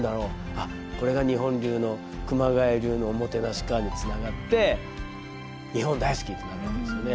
あっこれが日本流の熊谷流のおもてなしか」につながって日本大好きってなるわけですよね。